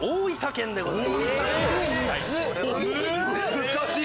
・難しい！